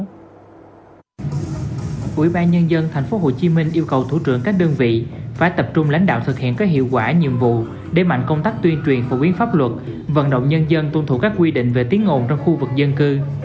ủy ban nhân dân tp hcm yêu cầu thủ trưởng các đơn vị phải tập trung lãnh đạo thực hiện có hiệu quả nhiệm vụ để mạnh công tác tuyên truyền phổ biến pháp luật vận động nhân dân tuân thủ các quy định về tiếng ngồn trong khu vực dân cư